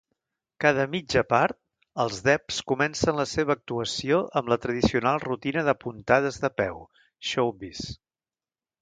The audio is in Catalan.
Cada mitja part, els Debs comencen la seva actuació amb la tradicional rutina de puntades de peu, "Showbiz".